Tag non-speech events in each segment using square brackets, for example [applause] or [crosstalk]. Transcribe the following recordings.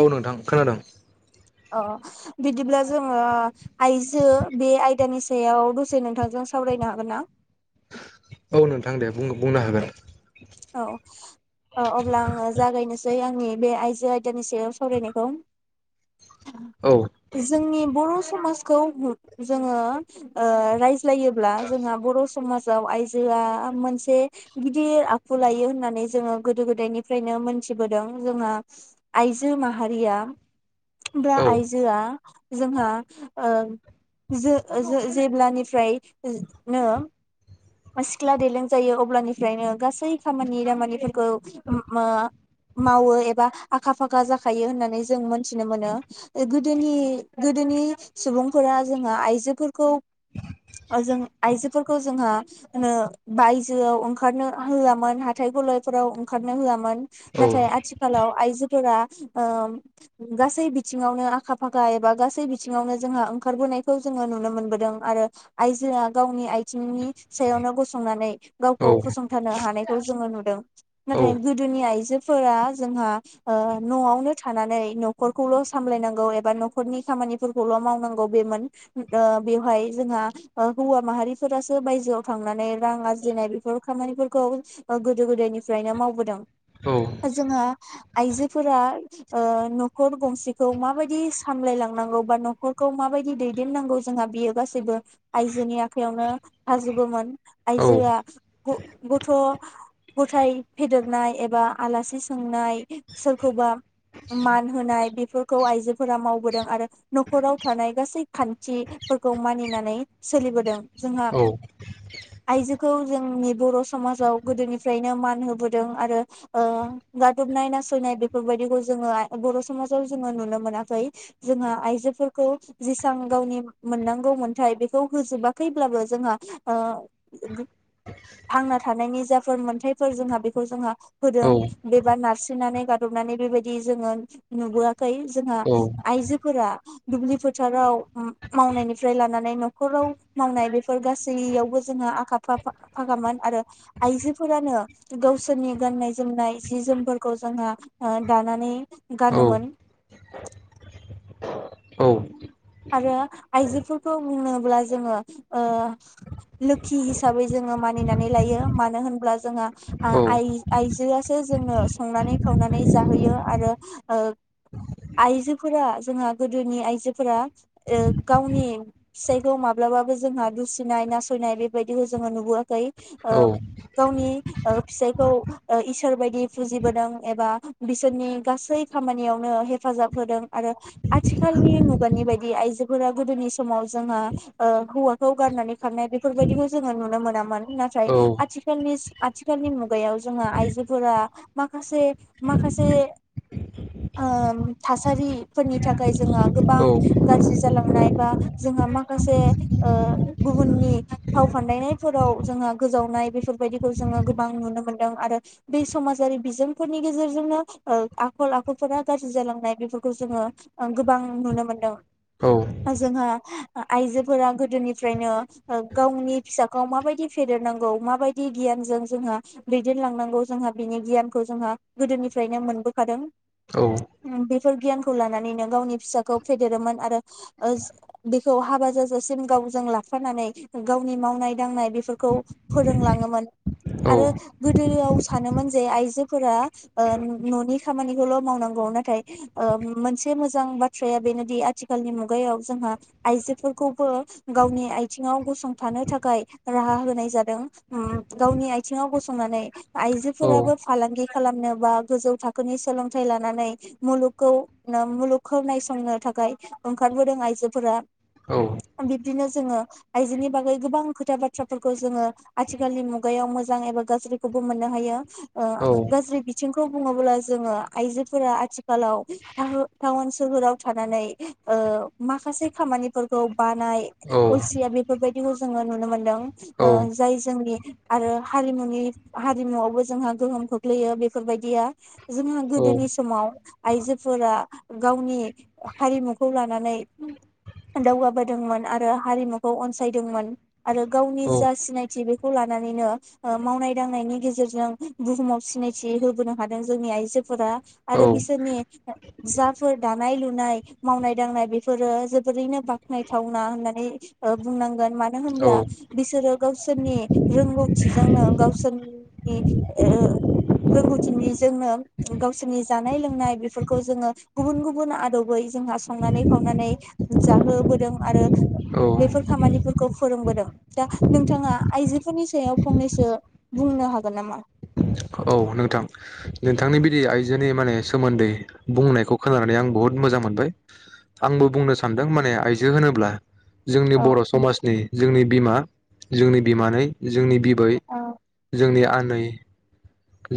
औ नोंथां खोनादों अ बिदिब्ला जोङो आइजो बे आयदानि सायाव दसे नोंथांजों सावरायनो हागोन ना औ नोंथां दे बुंनो बुंनो होगोन औ औ अब्ला आङो जागायनोसै आं आंनि बे आइजो आयदानि सायाव सावरायनायखौ औ जोंनि बर' समाज खै जोङो ओ रायज जायोब्ला जोंहा बर' समाज गाव आइजोआ मोनसे गिदिर खौ लायो होननानै जोङो गोदो गोदायनिफ्रायनो मोनथिबोदों जोंहा आइजो माहारिया बा औ आइजोआ जोंहा ओ जो-जो-जेब्लानिफ्रायनो सिख्ला देलें जायो अब्लानिफ्रायनो गासै खामानि दामानिफोरखौ उम मावो एबा आखा फाखा जाखायो होननानै जों मोनथिनो मोनो गोदोनि गोदोनि सुबुंफोरा जोंहा आइजोफोरखौ जों आइजोफोरखौ जोंहा ओ बायजोआव ओंखारनो होआमोन। हाथाय गलायफोराव ओंखारनो होआमोन औ नाथाय आथिखालाव आइजोफोरा ओ गासै बिथिङावनो आखा फाखा एबा गासै बिथिङावनो जोंहा ओंखारबोनायखौ जोङो नुनो मोनबोदों आरो आइजोआ गावनि आयथिंनि सायावनो गसंनानै गावखौ औ फसंथानो हानायखौ जोङो नुदों औ नाथाय गोदोनि आइजोफोरा जोंहा ओ न'आवनो थानानै न'खरखौल' सामलायनांगौ एबा न'खरनि खामानिफोरखौल' मावनांगौ बेमोन ओ बेवहाय जोंहा हौवा माहारिफोरासो बायजोआव थांनानै रां आरजिनाय बेफोर खामानिफोरखौ गोदो गोदायनिफ्रायनो मावबोदों जोंहा आइजोफोरा ओ न'खर गंसेखौ माबायदि सामलायलांनांगौ बा न'खरखौ माबायदि दैदेननांगौ जोंहा बियो गासैबो आइजोनि आखायावनो थाजोबोमोन औ आइजोआ गथ' गथाय फेदेरनाय एबा आलासि सोंनाय सोरखौबा मान होनाय बेफोरखौ आइजोफोरा मावबोदों आरो न'खराव थानाय गासै खान्थिफोरखौ मानिनानै सोलिबोदों जोंहा औ आइजोखौ जोंनि बर' समाजाव गोदोनिफ्रायनो मान होबोदों आरो ओ गादबनाय नासयनाय बेफोरबायदिखौ जोङो बर' समाजाव जोङो नुनो मोनाखै जोंहा आइजोफोरखौ जेसां गावनि मोननांगौ मोन्थाय बेखौ होजोबाखैब्लाबो जोंहा ओ थांना थानायनि जाय फोर मोनथायफोर जोंहा बेखौ जोंहा होदों औ औ बेबा नारस्रिनानै गादबनानै बेबायदि जोङो नुबोआखै जोंहा आइजोफोरा दुब्लि फोथाराव मावनायनिफ्राय लानानै न'खराव मावनाय बेफोर गासैयावबो जोंहा आखा फाखा फाखामोन आरो। आइजोफोरानो गावसोरनि गाननाय जोमनाय जि जोमफोरखौ जोंहा दानानै गानोमोन। आरो आइजोफोरखौ बुङोब्ला जोङो ओ लोखि हिसाबै जोङो मानिनानै लायो मानो होनब्ला जोंहा आइजोआसो जोंनो संनानै खावनानै जाहोयो आरो ओ आइजोफोरा जोंहा गोदोनि आइजोफोरा ओ गावनि फिसायखौ माब्लाबाबो जोंहा दुसिनाय नासयनाय बेबायदिखौ जोङो नुबोआखै ओ गावनि फिसायखौ ओ इसोर बायदि फुजिबोदों एबा बिसोरनि गासै खामानियावनो हेफाजाब होदों आरो आथिखालनि मुगानि बायदि दि आइजोफोरा गोदोनि समाव जोंहा ओ हौवाखौ गारनानै खारनाय बेफोरबायदिखौ जोङो नुनो मोनामोन नाथाय आथिखालनि आथिखालनि मुगायाव जोंहा आइजोफोरा माखासे माखासे ओ थासारिफोरनि थाखाय जोंहा गोबां गाज्रि जालांनाय बा जोंहा माखासे ओ गुबुननि फाव फान्दायनायफोराव जोंहा गोजावनाय बेफोरबायदिखौ जोङो गोबां नुनो मोनदों आरो बे समाजारि बिजोंफोरनि गेजेरजोंनो आखल आखुफोरा गाज्रि जालांनाय बेफोरखौ जोङो गोबां नुनो मोनदों। जोंहा आइजोफोरा गोदोनिफ्रायनो गावनि फिसाखौ माबायदि फेदेरनांगौ माबायदि गियानजों जोंहा दैदेनलांनांगौ जोंहा बिनि गियानखौ जोंहा गोदोनिफ्रायनो मोनबोखादों औ बेफोर गियानखौ लानानैनो गावनि फिसाखौ फेदेरोमोन। आरो बेखौ हाबा जाजासिम गावजों लाफानानै गावनि मावनाय दांनाय बेफोरखौ फोरोंलाङोमोन औ आरो गोदोआव सानोमोन जे आइजोफोरा ओ न'नि खामानिखौल' मावनांगौ नाथाय ओ मोनसे मोजां बाथ्राया बेनोदि आ थिखालनि मुगायाव जोंहा आइजोफोरखौबो गावनि आथिङाव गसंथानो थाखाय राहा होनाय जादों गावनि आथिङाव गसंनानै आइजोफोराबो औ फालांगि खालामनो बा गोजौ थाखोनि सोलोंथाइ लानानै मुलुगखौ मुलुगखौ नायसंनो थाखाय ओंखारबोदों आइजोफोरा औ बिब्दिनो जोङो आइजोनि बागै गोबां खोथा बाथ्राफोरखौ जोङो आथिखालनि मुगायाव मोजां एबा गाज्रिखौबो मोननो हायो ओ गाज्रि बिथिंखौ बुङोब्ला जोङो आइजोफोरा आथिखालाव टाउ टाउन सोहोराव थानानै ओ माखासे खामानिफोरखौ बानाय अलसिया बेफोरबायदिखौ जोङो नुनो मोनदों ओ जाय जोंनि आरो हारिमुनि हारिमुआवबो जोंहा गोहोम खोख्लैयो बेफोरबायदिया जोंहा गोदोनि समाव आइजोफोरा गावनि हारिमु खौ लानानै दावगाबोदोंमोन आरो हारिमुखौ अनसायदोंमोन आरो गावनि जा सिनायथि बेखौ लानानैनो मावनाय दांनायनि गेजेरजों बुहुमाव सिनायथि होबोनो हादों जोंनि आइजोफोरा आरो बिसोरनि जाफोर दानाय लुनाय मावनाय दांनाय बेफोरो जोबोरैनो बाख्नायथावना होननानै बुंनांगोन मानो होनब्ला बिसोरो गावसोरनि रोंगौथिजोंनो गावसोरनि रोंगौथिनिजोंनो गावसोरनि जानाय लोंनाय बेफोरखौ जोङो गुबुन गुबुन आदबै जोंहा संनानै खावनानै जाहोबोदों आरो बेफोर खामानिफोरखौ फोरोंबोदों दा नोंथाङा आइजोफोरनि सायाव फंनैसो बुंनो हागोन नामा? औ नोंथां नोंथांनि बिदि आइजोनि माने सोमोन्दै बुंनायखौ खोनानानै आं बुहुद मोजां मोनबाय आंबो बुंनो सानदों माने आइजो होनोब्ला‌ जोंनि औ बर' समाजनि जोंनि बिमा जोंनि बिमानै जोंनि बिबै औ जोंनि आ नै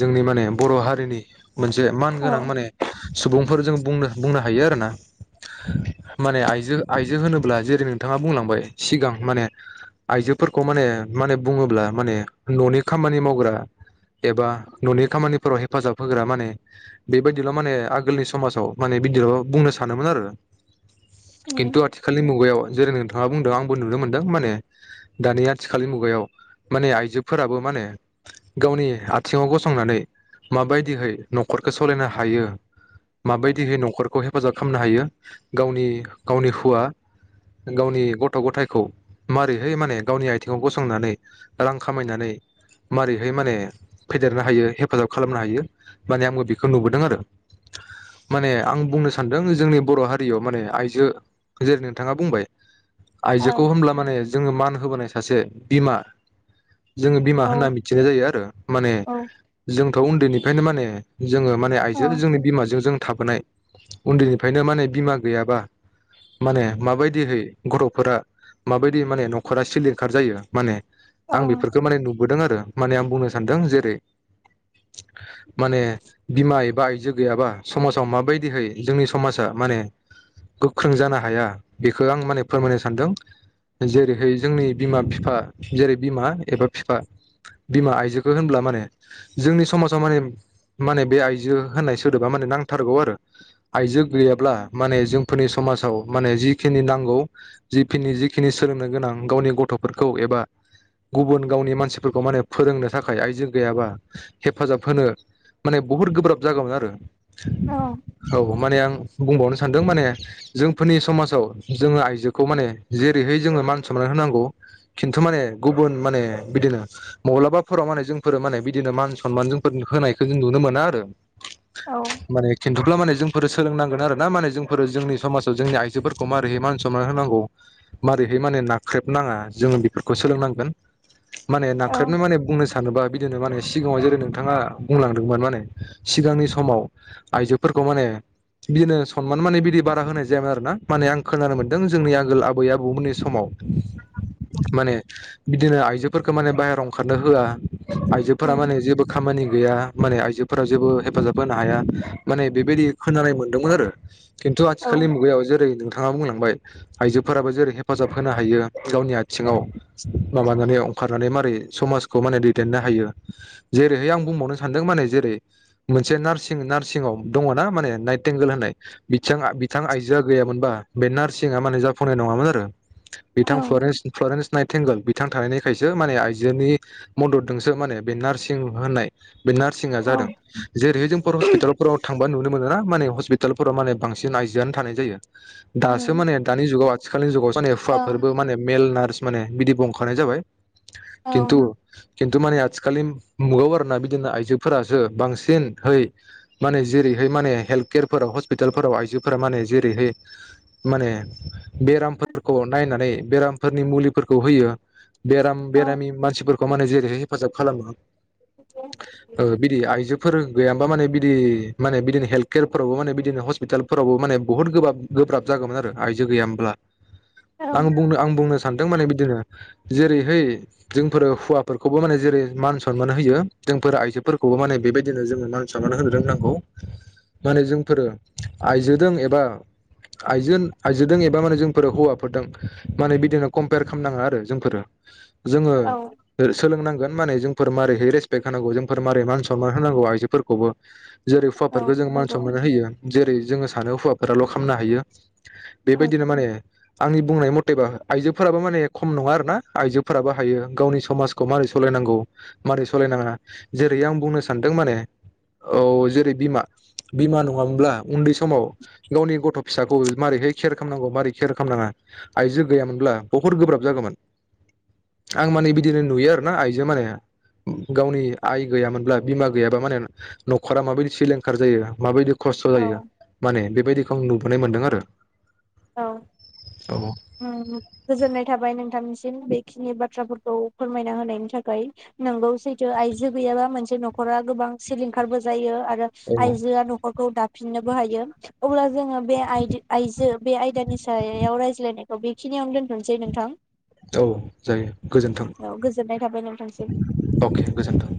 जोंनि माने बर' हारिनि मोनसे मानगोनां औ माने सुबुंफोर जों बुंनो बुंनो हायो आरोना माने आइजो आइजो होनोब्ला जेरै नोंथाङा बुंलांबाय सिगां माने आइजोफोरखौ माने माने बुङोब्ला माने न'नि खामानि मावग्रा एबा न'नि खामानिफोराव हेफाजाब होग्रा माने बेबायदिल' माने आगोलनि समाजाव माने बिदिल' बुंनो सानोमोन आरो। उम खिन्थु आथिखालनि मुगायाव जेरै नोंथां मा बुंदों आंबो नुनो मोनदों माने दानि आथिखालनि मुगायाव माने आइजोफोराबो माने गावनि आथिङाव गसंनानै माबायदिहै न'खरखौ सालायनो हायो माबायदिहै न'खरखौ हेफाजाब खालामनो हायो गावनि गावनि हुवा गावनि गथ' गथायखौ मारैहै माने गावनि आथिङाव गसंनानै रां खामायनानै मारैहाय माने फेदेरनो हायो हेफाजाब खालामनो हायो माने आंबो बेखौ नुबोदों आरो माने आं बुंनो सानदों जोंनि बर' हारियाव माने आइजो जेरै नोंथाङा बुंबाय। औ आयजोखौ होनब्ला माने जोङो मान होबोनाय सासे बिमा जोङो बिमा होनना औ मिथिनाय जायो आरो। माने। औ जोंथ' उन्दैनिफ्रायनो माने। जोङो माने औ आइजो जोंनि बिमाजों जों थाबोनाय उन्दैनिफ्रायनो माने बिमा गैयाबा माने माबायदिहै गथ'फोरा माबायदि माने न'खरा सिलिंखार जायो माने। औ आं बेफोरखौ माने नु नुबोदों आरो माने आं बुंनो। सानदों जैरै माने बिमा एबा आइजो गैयाबा समाजाव माबायदिहै जोंनि समाजा माने गोख्रों जानो हाया बेखौ आं माने फोरमायनो सानदों जेरैहाय जोंनि बिमा बिफा जेरै बिमा एबा बिफा बिमा आइजो। होनब्ला माने जोंनि समाजाव माने माने बे आइजो होननाय सोदोबा माने नांथारगौ आरो आइजो गैयाब्ला माने जोंफोरनि। समाजाव माने जिखिनि नांगौ जिखिनि जिखिनि सोलोंनो गोनां गावनि गथ'फोरखौ एबा गुबुन गावनि मानसिफोरखौ माने फोरोंनो। थाखाय आइजो गैयाबा हेफाजाब होनो माने बहुद गोब्राब। जागौमोन आरो औ औ माने आं। बुंबावनो सानदों माने जोंफोरनि समाजाव जोङो आइजोखौ माने जेरैहै जोङो मान सनमान होनांगौ खिन्थु माने गुबुन माने बिदिनो मब्लाबा। फोराव माने जोंफोर माने बिदिनो मान सनमान जोंफोर होनायखौ जों नुनो मोना आरो औ माने खिन्थुब्ला माने जोंफोरो सोलोंनांगोन आरोना माने जोंफोरो जोंनि समाजाव जोंनि आइजोफोरखौ मारै मान सनमान होनांगौ मारै माने नाख्रेब नाङा जोङो बेफोरखौ सोलोंनांगोन माने औ नांख्रेबनो माने सानोबा बिदिनो माने सिगाङाव जेरै नोंथाङा बुंलांदोंमोन माने सिगांनि समाव आइजोफोरखौ माने बिदिनो समान माने बिदि बारा होनाय जायामोन आरोना माने आं खोनानो मोन्दों जोंनि आगोल आबै आबौमोननि समाव माने बिदिनो आइजोफोरखौ माने बाहेरायाव ओंखार नोहोआ आयजोफोरा उम माने जेबो खामानि गैया माने आइजोफोरा जेबो हेफाजाब होनो हाया माने बेबायदि खोनानाय मोनदोंमोन आरो खिन्थु औ आथिखालनि औ मुगायाव जेरै नोंथाङा बुंलां बाय आइजोफोराबो जेरै हेफाजाब होनो हायो गावनि आ थिङाव माबानानैयाव खारनानै मारै समाजखौ माने दैदेननो हायो जेरैहाय आं बुंबावनो सानदों माने जेरै मोनसे नारसिं नार्सिंव दङना माने नाइटेंगेल होननाय बि जोंआ बिथां आइजोआ गैयामोनबा बे नार्सिंआ माने जाफुंनाय नङामोन आरो बिथां फ्लरेन्स फ्लरेन्स नाइ थेंगल बिथां थानायनिखायसो माने आइ जोनि मददजोंसो माने बे नार्सिं होननाय बे नार्सिंआ औ जादों जेरैहाय जोंफोर हस्पिटालफोराव थांबा नुनो मोनो ना माने हस्पितालफोराव माने बांसिन आइजोआनो थानाय जायो दासो उम माने दानि जुगाव आथिखालनि जुगाव जानाय माने औ हौवाफोरबो माने मेल नार्स माने बिदि बंखानाय जाबाय औ खिन्थु खिन्थु माने आथिखालनि मु-मुगायाव आरोना बिदिनो आइजोफोरासो बांसिनहै माने जेरैहाय माने हेल्थ केयारफोराव हस्पितालफोराव आइजोफोरा माने जेरैहै माने बेरामफोरखौ नायनानै बेरामफोरनि मुलिफोरखौ होयो। बेराम औ बेरामि मानसिफोरखौ माने जेरैहाय हेफाजाब खालामो। ओ बिदि आइजो फोर गैयामोनबा माने बिदि माने बिदिनो हेल्थ केयारफोरावबो माने बिदिनो हस्पितालफोरावबो माने बुहुत गोबाब गोब्राब जागौमोन आरो आइजो गैयामोनब्ला। आं औ बुंनो आं बुंनो सानदों माने बिदिनो जेरैहाय जोंफोर हौवाफोरखौबो माने जेरै मान सनमान होयो जोंफोर आइजोफोरखौबो माने बेबायदिनो जोङो मान सनमान होनो रोंनांगौ माने जोंफोरो आइजोजों एबा आइजो-आइजोजों एबा माने जोंफोर हौवाफोरजों माने बिदिनो कम्पेयार खालामनाङा आरो जोंफोरो। जोङो सोलोंनांगोन माने जों जोंफोर मारै रेसपेक्ट होनांगौ जोंफोर मारै मान सनमान होनांगौ आइजोफोरखौबो। जेरै औ हौवाफोरखौ जों नंगौ मानसनमान होयो। जेरै ज जोङो सानो हौवाफोराल' खालामनो हायो। बेबायदिनो माने आंनि बुंनाय मथेबा आइजोफोराबो माने खम नङा आरो ना आइजो फोराबो हायो गावनि समाजखौ मारै सालायनांगौ मारै सालायनाङा जेरै आं बुंनो सानदों माने औ जेरै बिमा बिमा नङामोनब्ला उन्दै समाव गावनि गथ' फिसाखौ मारैहाय केयार खालामनांगौ मारै खेयार खालामनाङा आइजो गैयामोनब्ला बहुद गोब्राब जागौमोन। आं माने बिदिनो नुयो आरोना आइजो माने गावनि आइ गैयामोनब्ला बिमा गैयाबा माने न'खरा माबायदि सिलिंखार जायो माबायदि खस्थ' औ जायो माने बे बायदिखौ आं नुबोनाय मोन्दों आरो। औ औ उम गोजोननाय थाबाय नोंथांनिसि बेखिनि बाथ्राफोरखौ फोरमायना होनायनि थाखाय। नोंगौ सैथो आइजो गैयाबा मोनसे न'खरा गोबां सिलिंखारबो जायो आर रो औ आइजोआ न'खरखौ दा फिननोबो हायो अब्ला जोङो बे आइ-आइजो बे आयदानि सायाव रायज्लायनायखौ बेखिनियावनो दोनथ'नोसै नोंथां। औ जायो गोजोन्थों औ गोजोननाय थाबाय नोंथांसिम [inaudible] अके गोजोन्थों।